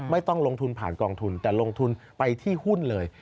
ไม่ต้องลงทุนผ่านกองทุนแต่ลงทุนไปที่หุ้นเลย